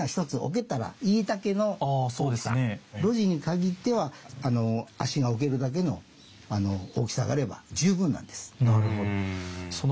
露地にかぎっては足が置けるだけの大きさがあれば十分なんです。